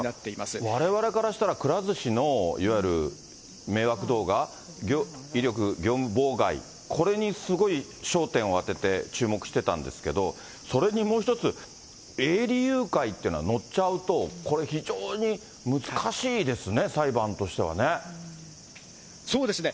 だからわれわれからしたら、くら寿司のいわゆる迷惑動画、威力業務妨害、これにすごい焦点を当てて注目してたんですけど、それにもう１つ、営利誘拐ってのは乗っちゃうと、これ非常に、難しいですね、裁判そうですね。